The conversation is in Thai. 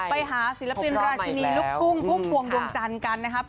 ไปหาศิลปินราชินีลูกทุ่งพุ่มพวงดวงจันทร์กันนะครับ